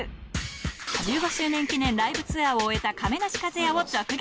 １５周年記念ライブツアーを終えた亀梨和也を直撃！